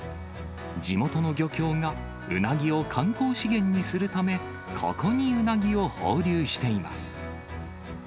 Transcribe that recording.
地元の漁協がウナギを観光資源にするため、ここにウナギを放流しています。